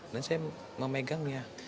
dan saya memegangnya